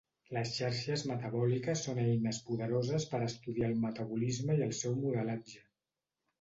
Les xarxes metabòliques són eines poderoses per estudiar el metabolisme i el seu modelatge.